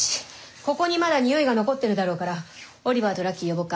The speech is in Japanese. ここにまだ匂いが残ってるだろうからオリバーとラッキー呼ぼうか。